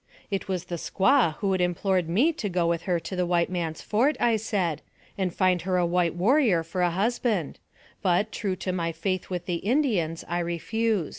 It was the squaw who had implored me to go with her to the white man's fort, I said, and find her a white warrior for a husband ; but, true to my faith with the Indians, I refused.